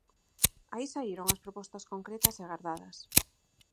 Aí saíron as propostas concretas e agardadas.